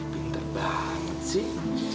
pintar banget sih